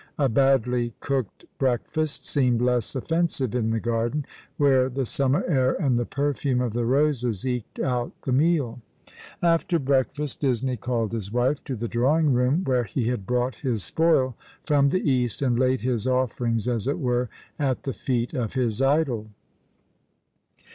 A badly cooked breakfast seemed less offensive in the garden, where the summer air, and the perfume of the roses eked out the meal. After breakfast Disney called his wife to the drawing room, where he had brought his spoil from the East, and laid his offerings, as it were, at the feet of his idol.